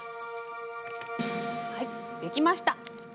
はい出来ました！